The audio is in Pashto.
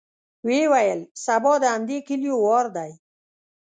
ويې ويل: سبا د همدې کليو وار دی.